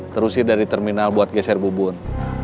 terusir dari terminal buat geser bubun